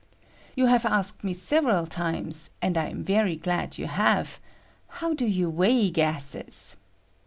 You have asked me several times, and I am very glad you have, "How do you weigh gases?"